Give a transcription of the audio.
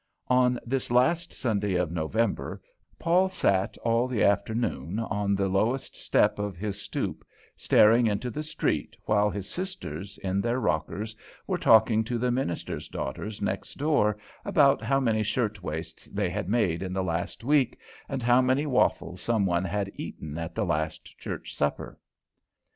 On this last Sunday of November, Paul sat all the afternoon on the lowest step of his "stoop," staring into the street, while his sisters, in their rockers, were talking to the minister's daughters next door about how many shirt waists they had made in the last week, and how many waffles some one had eaten at the last church supper.